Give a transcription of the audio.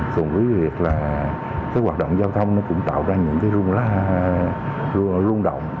cùng với việc là hoạt động giao thông cũng tạo ra những rung động